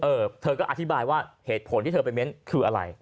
เออเธอก็อธิบายว่าเหตุผลที่เธอไปเม้นคืออะไร